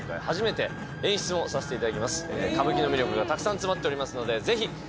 歌舞伎の魅力がたくさん詰まっておりますので。